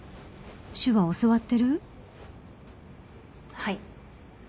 はい。